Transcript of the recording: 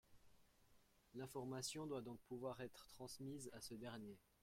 L’information doit donc pouvoir être transmise à ce dernier.